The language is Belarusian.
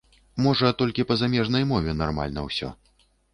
Можа, толькі па замежнай мове нармальна ўсё.